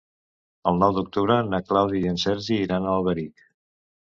El nou d'octubre na Clàudia i en Sergi iran a Alberic.